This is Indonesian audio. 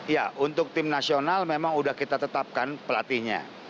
ya untuk tim nasional memang sudah kita tetapkan pelatihnya